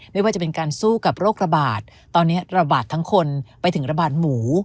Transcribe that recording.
ไม่ว่าจะเป็นการสู้กับโรคระบาดตอนนี้ระบาดทั้งคนไปถึงระบาดหมู